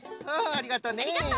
ありがとう。